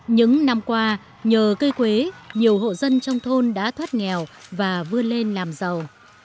những năm qua nhờ cây quế nhiều hộ dân trong thôn đã thoát nghèo và vươn lên làm giàu